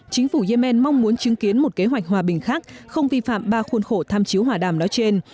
chính phủ yemen mong muốn chứng kiến một kế hoạch hòa bình khác không vi phạm ba khuôn khổ tham chiếu hòa đàm nói trên